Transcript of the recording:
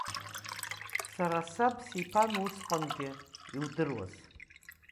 Сара саб сиԥан усҟангьы, иудыруаз.